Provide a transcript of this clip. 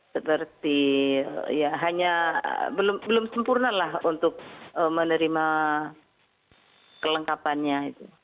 seperti ya hanya belum sempurna lah untuk menerima kelengkapannya